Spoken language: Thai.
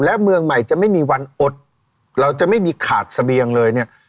และเมืองใหม่จะไม่มีวันอดเราจะไม่มีขาดเสบียงเลยเนี่ย